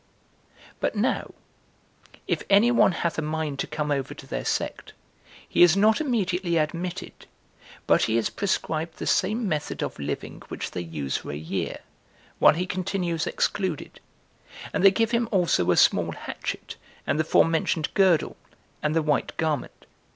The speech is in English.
7. But now if any one hath a mind to come over to their sect, he is not immediately admitted, but he is prescribed the same method of living which they use for a year, while he continues excluded'; and they give him also a small hatchet, and the fore mentioned girdle, and the white garment.